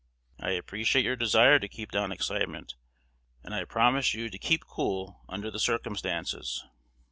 I appreciate your desire to keep down excitement, and I promise you to 'keep cool' under the circumstances."